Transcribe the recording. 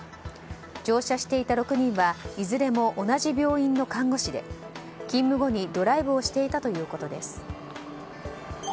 乗車していた６人はいずれも同じ病院の看護師で勤務後にドライブをしていたということです。